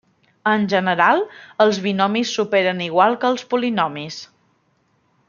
En general els binomis s'operen igual que els polinomis.